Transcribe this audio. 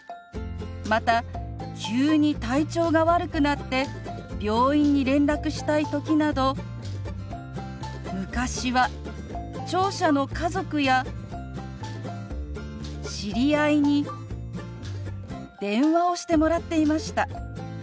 また急に体調が悪くなって病院に連絡したい時など昔は聴者の家族や知り合いに電話をしてもらっていました。